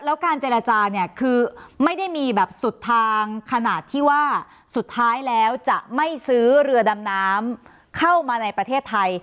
แล้วการเจรจาเนี่ยคือไม่ได้มีแบบสุดทางขนาดที่ว่าสุดท้ายแล้วจะไม่ซื้อเรือดำน้ำเข้ามาในประเทศไทย